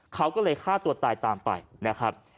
เขาก็เลยฆ่าตัวตายตามไปนะครับ